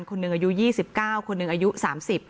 คนนึงอายุยี่สิบเก้าคนนึงอายุสามสิบ